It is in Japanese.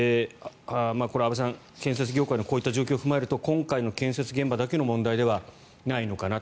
これは安部さん、建設業界のこういった状況を踏まえると今回の建設現場だけの問題ではないのかなと。